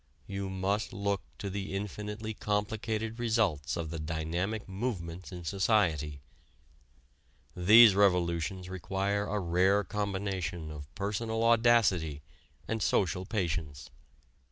you must look to the infinitely complicated results of the dynamic movements in society. These revolutions require a rare combination of personal audacity and social patience.